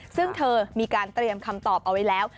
ซึ่งเธอมีการเตรียมคำตอบเอาไว้แล้ว